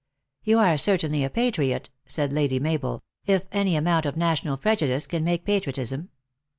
"You are certainly a patriot," said Lady Mabel, "if any amount of national prejudice can make patri otism.